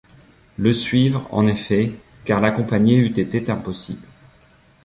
Le suivre en effet, car l’accompagner eût été impossible.